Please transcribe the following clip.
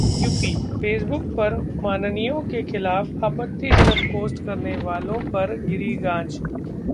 UP: Facebook पर माननीयों के खिलाफ आपत्तिजनक पोस्ट करने वालों पर गिरी गाज